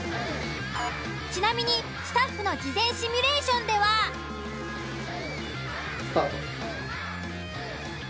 ちなみにスタッフの事前シミュレーションでは。スタート。